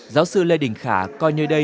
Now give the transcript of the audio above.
giáo sư lê đình khả coi nơi đây